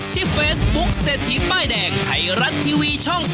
ที่เฟซบุ๊คเศรษฐีป้ายแดงไทยรัฐทีวีช่อง๓๒